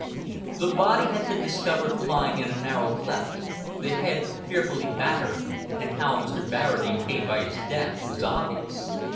The body had been discovered lying in a narrow cleft, the head fearfully battered; and how Mr. Barradine came by his death was obvious.